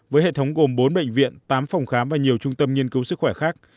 với hệ thống gồm bốn bệnh viện tám phòng khám và nhiều trung tâm nghiên cứu sức khỏe khác